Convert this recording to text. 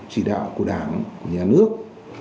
chỉ đạo của đảng nhà nước